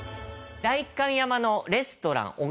代官山のレストラン